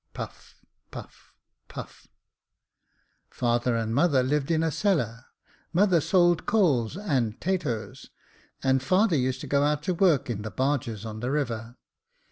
[Puff, puff, puff] — Father and mother lived in a cellar ; mother sold coals and 'tatoes, and father used to go out to work in the barges on the river.